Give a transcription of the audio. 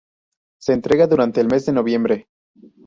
Se entrega durante el mes de noviembre.